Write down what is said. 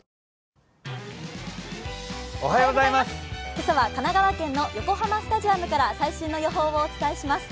今朝は神奈川県の横浜スタジアムから最新の予報をお伝えします。